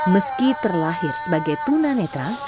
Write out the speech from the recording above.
meski terlahir sebagai tunan netral